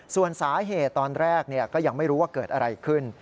ส่วนสาเหตุตอนแรกก็ยังไม่รู้ว่าเกิดอะไรขึ้น